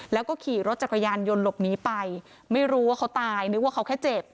แล้วก็ขี่รถจักรยานยนต์หลบหนีไปไม่รู้ว่าเขาตายนึกว่าเขาแค่เจ็บ